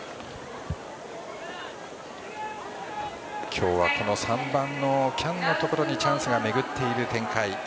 今日は３番の喜屋武のところにチャンスが巡っている展開。